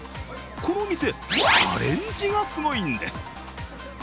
この店、アレンジがすごいんです。